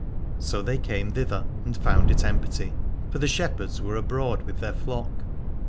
So they came thither and found it empty, for the shepherds were abroad with their flock.